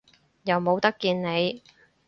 又冇得見你